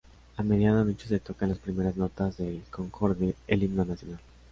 A medianoche se tocan las primeras notas del Concorde, el himno nacional.